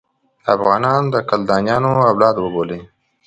افغانان د کلدانیانو اولاد وبولي.